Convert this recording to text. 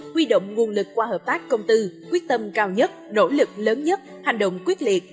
huy động nguồn lực qua hợp tác công tư quyết tâm cao nhất nỗ lực lớn nhất hành động quyết liệt